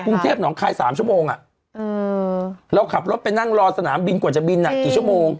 กรุงเทพหนองคาย๓ชั่วโมงเราขับรถไปนั่งรอสนามบินกว่าจะบินกี่ชั่วโมง